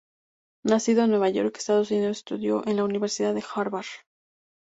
Nacido en Nueva York Estados Unidos, estudió en la Universidad de Harvard.